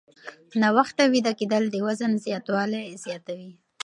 ناوخته ویده کېدل د وزن زیاتوالی زیاتوي.